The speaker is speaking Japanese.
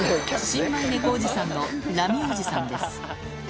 新米猫おじさんのラミおじさんです。